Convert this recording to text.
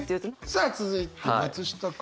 さあ続いて松下君も。